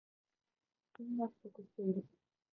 部品が不足している